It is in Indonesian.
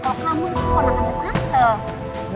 kalau kamu itu mau nangis mantel